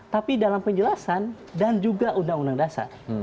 tapi dalam penjelasan dan juga undang undang dasar